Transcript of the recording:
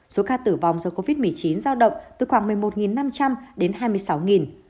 số ca tử vong do covid một mươi chín giao động từ khoảng một mươi một năm trăm linh đến hai mươi sáu